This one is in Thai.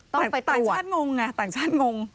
ต้องไปตรวจต่างชาติงง